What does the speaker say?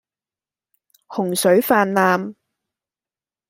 洪水泛濫